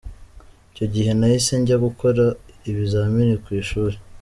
Icyo gihe nahise njya gukora ibizamini ku ishuli.